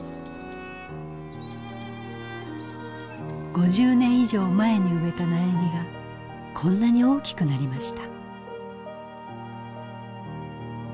５０年以上前に植えた苗木がこんなに大きくなりました。